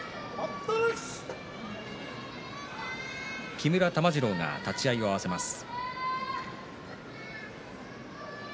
木村玉治郎が立ち合いを合わせます。